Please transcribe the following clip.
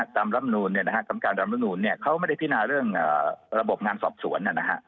ตามรำนูญเขาไม่ได้พินาเรื่องระบบงานสอบสวน